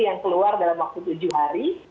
yang keluar dalam waktu tujuh hari